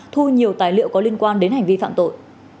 thu nhiều tài liệu có liên quan đến hành vi phạm tội